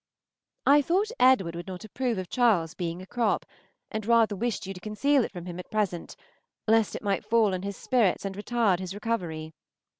I thought Edward would not approve of Charles being a crop, and rather wished you to conceal it from him at present, lest it might fall on his spirits and retard his recovery.